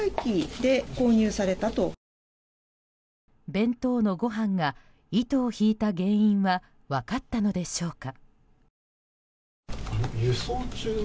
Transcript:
弁当のご飯が糸を引いた原因は分かったのでしょうか？